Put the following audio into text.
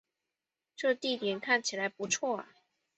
这地点看起来不错啊